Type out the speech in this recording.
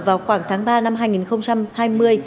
vào khoảng tháng ba năm hai nghìn hai mươi